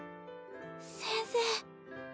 先生。